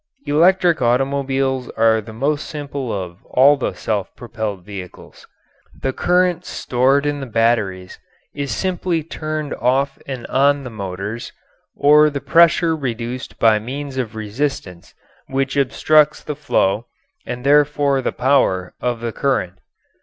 Electric automobiles are the most simple of all the self propelled vehicles. The current stored in the batteries is simply turned off and on the motors, or the pressure reduced by means of resistance which obstructs the flow, and therefore the power, of the current.